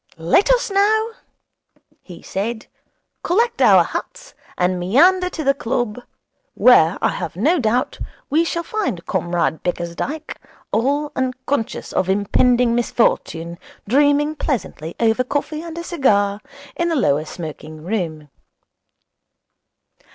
'Let us now,' he said, 'collect our hats and meander to the club, where, I have no doubt, we shall find Comrade Bickersdyke, all unconscious of impending misfortune, dreaming pleasantly over coffee and a cigar in the lower smoking room.'